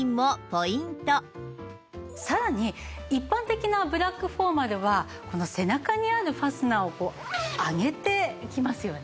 さらに一般的なブラックフォーマルはこの背中にあるファスナーを上げていきますよね。